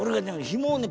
ひもをね